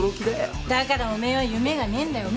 だからお前は夢がねえんだよ。